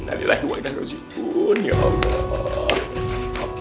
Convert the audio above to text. nanti lagi wajahnya musibun ya allah